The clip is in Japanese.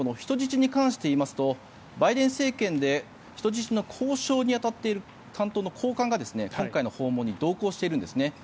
特に人質に関して言いますとバイデン政権で人質の交渉に当たっている担当の高官が今回の訪問に同行しているんですね。